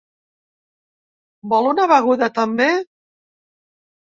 Vol una beguda també?